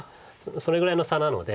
それぐらいの差なので。